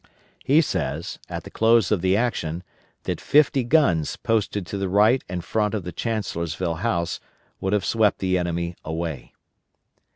He says, at the close of the action, that fifty guns posted to the right and front of the Chancellorsville House would have swept the enemy away.